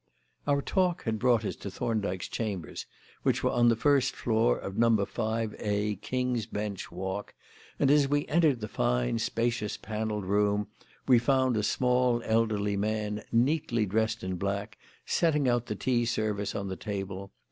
Our talk had brought us to Thorndyke's chambers, which were on the first floor of No. 5A King's Bench Walk, and as we entered the fine, spacious, panelled room we found a small, elderly man, neatly dressed in black, setting out the tea service on the table.